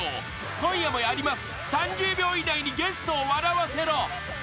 ［今夜もやります］